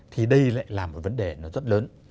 thì đây lại là một vấn đề nó rất lớn